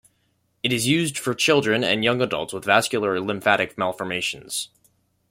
It is used for children and young adults with vascular or lymphatic malformations.